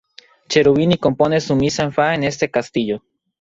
Cherubini compone su "Misa en fa" en este castillo.